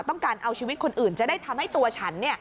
ต้องการเอาชีวิตคนอื่นจะได้ทำให้ตัวฉัน